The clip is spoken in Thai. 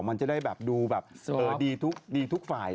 มันจะได้แบบดูแบบดีทุกฝ่าย